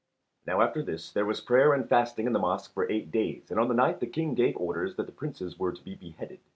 ] Now after this there was prayer and fasting in the mosque for eight days, and on the ninth the King gave orders that the Princes were to be beheaded.